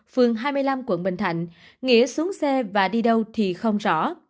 phường hai mươi năm quận bình thạnh nghĩa xuống xe và đi đâu thì không rõ